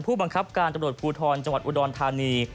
ผู้บังคับการตำรวจภูทรจังหวัดอุดรธานี